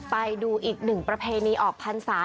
ไปดูอีกหนึ่งประเพณีออกพรรษา